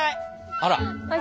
あら。